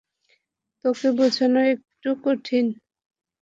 তোকে বোঝানো একটু কঠিন।